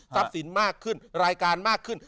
สินมากขึ้นรายการมากขึ้น